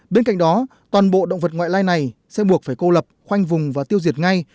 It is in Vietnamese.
bên cạnh đó toàn bộ động vật ngoại lai này sẽ buộc phải cô lập khoanh vùng và tiêu diệt ngay